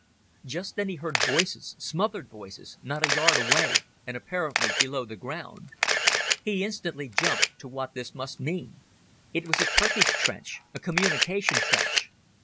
Just then he heard voices—smothered voices—not a yard away and apparently below the ground. He instantly jumped to what this must mean. It was a Turkish trench—a communication trench.